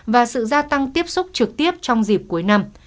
và sự gia tăng tiếp xúc trực tiếp trong dịp cuối năm